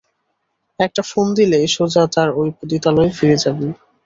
একটা ফোন দিলেই, সোজা তোর ওই পতিতালয়ে ফিরে যাবি।